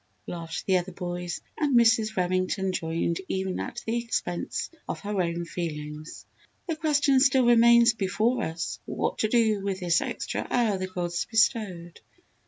laughed the other boys, and Mrs. Remington joined even at the expense of her own feelings. "The question still remains before us what to do with this extra hour the gods bestowed?"